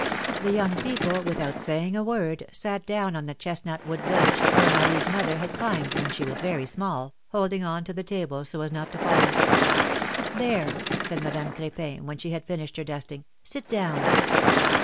The young people, without saying a word, sat down on the chestnut wood bench, where Marie's mother had climbed when she was very small, holding on to the table so as not to fall. There !" said Madame Cr^pin, when she had finished her dusting, ^^sit down